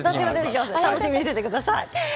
楽しみにしていてください。